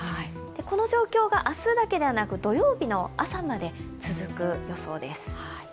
この状況が明日だけではなく土曜日の朝まで続く予想です。